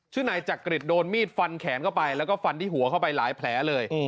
นายจักริตโดนมีดฟันแขนเข้าไปแล้วก็ฟันที่หัวเข้าไปหลายแผลเลย